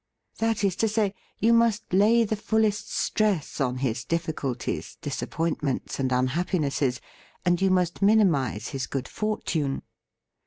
That is to say, you must lay the fullest stress on his difficulties, disap pointments and unhappinesses, and you must minimise his good fortune.